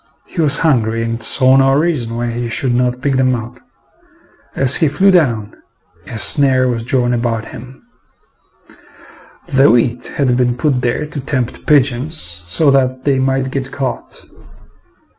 He was hungry and saw no reason why he should not pick them up. As he flew down, a snare was drawn about him. The wheat had been put there to tempt pigeons so that they might get caught.